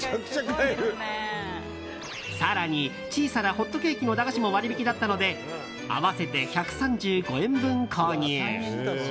更に、小さなホットケーキの駄菓子も割引だったので合わせて１３５円分購入。